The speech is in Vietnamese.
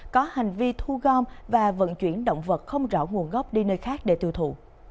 có hành vi thu gom và vận chuyển động vật không rõ nguồn gốc đi nơi khác để tiêu thụ